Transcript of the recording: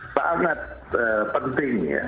sangat penting ya